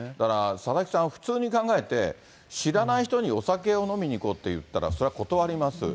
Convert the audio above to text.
佐々木さん、普通に考えて、知らない人にお酒を飲みに行こうって言ったら、そりゃ断ります。